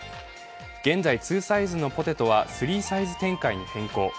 現在２サイズのポテトは３サイズ展開に変更。